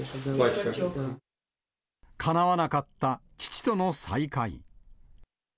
かなわなかった、父との再会。